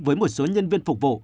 với một số nhân viên phục vụ